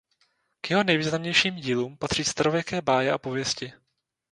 K jeho nejvýznamnějším dílům patří "Starověké báje a pověsti".